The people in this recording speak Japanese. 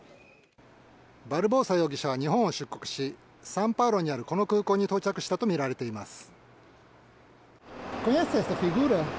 バルボサ容疑者は日本を出国しサンパウロにある、この空港に到着したとみられています。